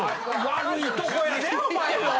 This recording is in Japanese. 悪いとこやでお前の！